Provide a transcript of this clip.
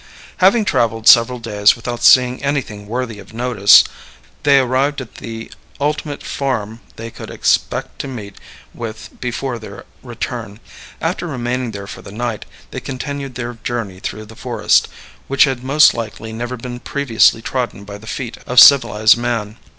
Having traveled several days without seeing anything worthy of notice, they arrived at the ultimate farm they could expect to meet with before their return. After remaining there for the night, they continued their journey through the forest, which had most likely never been previously trodden by the feet of civilized man.